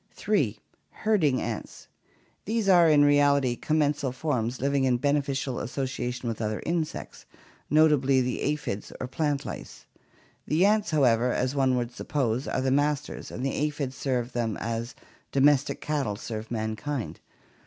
Herding attfs. These are in reality commensal forms living in ben eficial association with other insects, notably the aphids or plant lice. The ants, however, as one would suppose, are the masters and the aphids serve them as domestic cattle serve mankind.